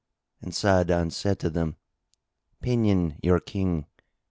and Sa'adan said to them, "Pinion your King!"